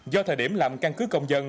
do thời điểm làm căn cứ công dân